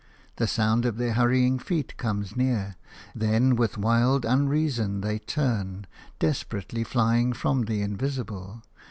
The sound of their hurrying feet comes near, then with wild unreason they turn, desperately flying from the invisible.